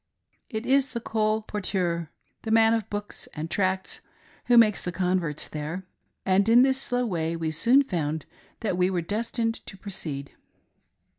It is the col porteur, the man of books and tracts, who makes the converts there, and in this slow way we soon found that we were des tined to proceed.